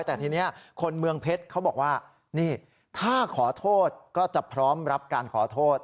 แต่ทีนี้คนเมืองเพชรเขาบอกว่านี่ถ้าขอโทษก็จะพร้อมรับการขอโทษ